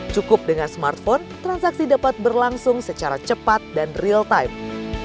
cukup dengan smartphone transaksi dapat berlangsung secara cepat dan real time